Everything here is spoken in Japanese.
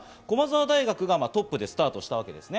駒澤大学がトップでスタートしました。